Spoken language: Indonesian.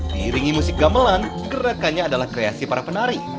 diiringi musik gamelan gerakannya adalah kreasi para penari